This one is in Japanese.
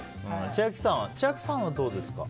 千秋さんはどうですか？